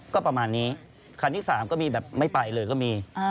ก็ประมาณนี้คันที่๓ก็มีแบบไม่ไปเลยก็มี